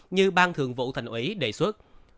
như bang thường vụ thành ủy đề xuất